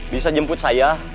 bisa jemput saya